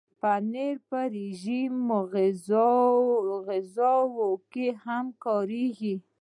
پنېر په رژیمي غذاوو کې هم کارېږي.